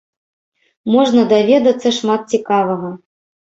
Можна даведацца шмат цікавага.